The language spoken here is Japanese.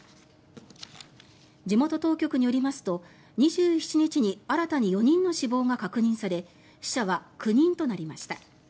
地元当局によりますと、２７日に新たに４人の死亡が確認され死者は９人となりました。